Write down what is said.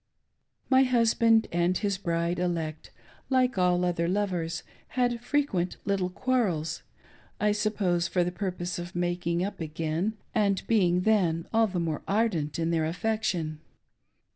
My husband and his bride elect, like all other lovers, had frequent little quarrels — I suppose for the purpose of making up again, and being then all the more ardent in their affection.